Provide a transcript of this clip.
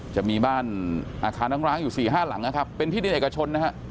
จะมีบ้านอาคารทำน้ำร้างอยู่๕ลังเป็นที่นี้เอกชนนะฮะ